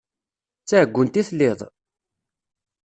D taɛeggunt i telliḍ?